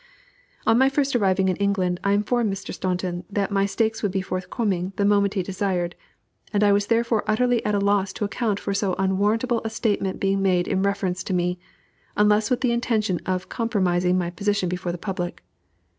On my first arriving in England, I informed Mr. Staunton that my stakes would be forthcoming the moment he desired, and I was therefore utterly at a loss to account for so unwarrantable a statement being made in reference to me, unless with the intention of compromising my position before the public.